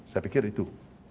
saya pikir itu